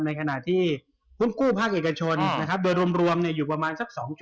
ในขณะที่หุ้นกู้ภาษาเอกชนด้วยรวมเนี่ยอยู่ประมาณ๒๘๕